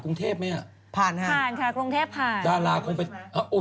คงไปกันเยอะเพราะว่าอยู่ในกรุงเทพฯ